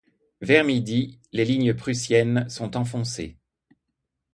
Vers midi, les lignes prussiennes sont enfoncées.